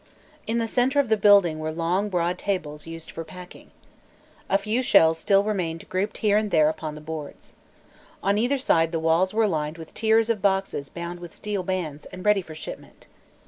In the center of the building were long, broad tables, used for packing. A few shells still remained grouped here and there upon the boards. On either side the walls were lined with tiers of boxes bound with steel bands and ready for shipment.